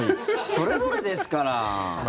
それぞれですから。